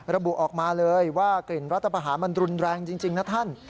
ระบุออกมาเลยว่ากลิ่นรัฐประหารมันรุนแรงจริงนะท่าน